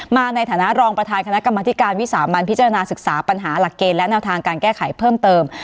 มาในฐานะรองประธานคณะกรรมธิการวิสามันพิจารณาศึกษาปัญหาหลักเกณฑ์และแนวทางการแก้ไขเพิ่มเติม